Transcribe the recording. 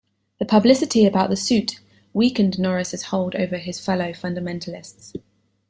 The publicity about the suit weakened Norris' hold over his fellow fundamentalists.